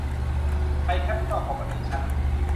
ไทย แคปปิตอล คอร์ปอเรชั่น